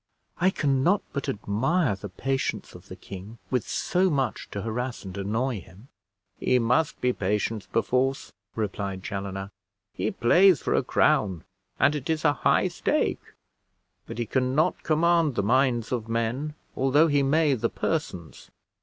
"I can not but admire the patience of the king, with so much to harass and annoy him." "He must be patient, perforce," replied Chaloner; "he plays for a crown, and it is a high stake; but he can not command the minds of men, although he may the persons.